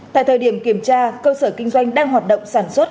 tại thời điểm kiểm tra cơ sở kinh doanh đang hoạt động sản xuất